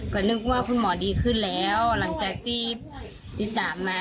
ก็นึกว่าคุณหมอดีขึ้นแล้วหลังจากที่ตีสามมา